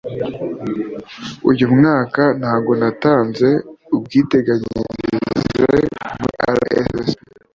uyu mwaka ntago natanze ubwiteganyirize muri rssb